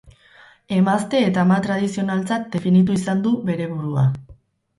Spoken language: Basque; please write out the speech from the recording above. Emazte eta ama tradizionaltzat definitu izan du bere burua.